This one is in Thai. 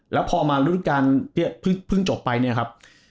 แล้วพอมารุ่นการเพิ่งจบไปเนี่ยครับ